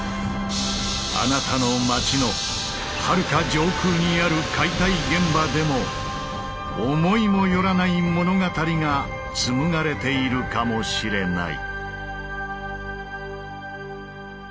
あなたの街のはるか上空にある解体現場でも思いも寄らない物語が紡がれているかもしれない。